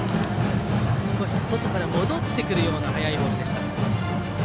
少し外から戻ってくるような速いボールでした。